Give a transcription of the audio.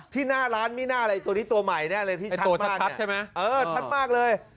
หน้าร้านมีหน้าอะไรตัวนี้ตัวใหม่แน่เลยที่ชัดมากชัดใช่ไหมเออชัดมากเลย